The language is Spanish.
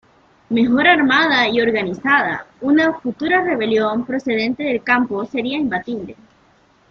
Mejor armada y organizada, una futura rebelión procedente del campo sería imbatible.